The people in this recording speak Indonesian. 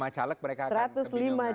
satu ratus lima caleg mereka akan kebinyungan